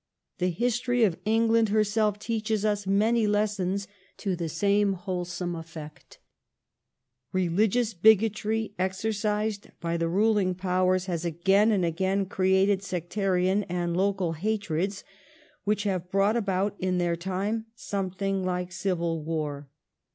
The history of England herself teaches us many lessons to the same wholesome effect. Eehgious bigotry, exercised by the ruling powers, has again and again created sectarian and local hatreds which have brought about in their time something like civil war.